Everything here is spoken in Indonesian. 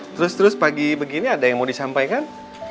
terus terus pagi begini ada yang mau disampaikan